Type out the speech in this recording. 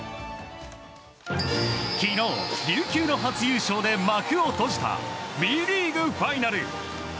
昨日、琉球の初優勝で幕を閉じたＢリーグファイナル。